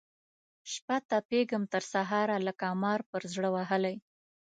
شپه تپېږم تر سهاره لکه مار پر زړه وهلی